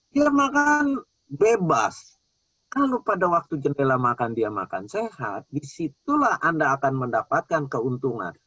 hai yang makan bebas tanpa dewa dua puluh satu maka dia makan sehat disitulah anda akan mendapatkan keuntungan